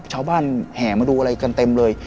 ชาวบ้านแห่มาดูอะไรกันเต็มเลย